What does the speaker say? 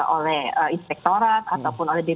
oleh inspektorat ataupun oleh